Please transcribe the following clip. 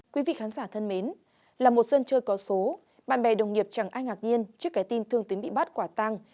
quý vị khán giả thân mến là một dân chơi có số bạn bè đồng nghiệp chẳng ai ngạc nhiên trước cái tin thương tín bị bắt quả tang